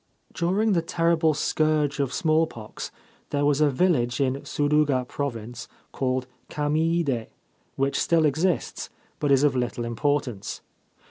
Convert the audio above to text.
During the terrible scourge of smallpox there was a village in Suruga Province called Kamiide, which still exists, but is of little importance.